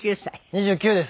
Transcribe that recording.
２９です。